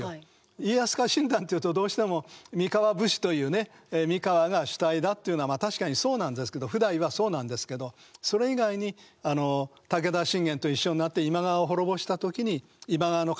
家康家臣団っていうとどうしても三河武士というね三河が主体だっていうのはまあ確かにそうなんですけど譜代はそうなんですけどそれ以外にあの武田信玄と一緒になって今川を滅ぼした時に今川の家臣を取り込む。